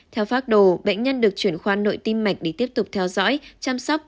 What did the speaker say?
theo phác đồ bệnh nhân được chuyển khoa nội tim mạch để tiếp tục theo dõi chăm sóc